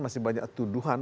masih banyak tuduhan